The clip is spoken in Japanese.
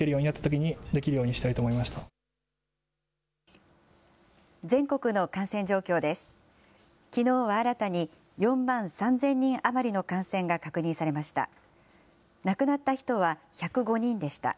きのうは新たに４万３０００人余りの感染が確認されました。